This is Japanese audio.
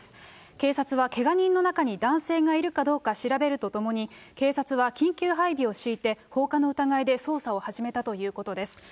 警察はけが人の中に男性がいるかどうか調べるとともに、警察は緊急配備を敷いて、放火の疑いで捜査を始めたということです。